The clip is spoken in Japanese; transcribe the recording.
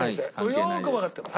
よくわかってます。